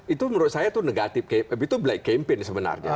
itu menurut saya itu black campaign sebenarnya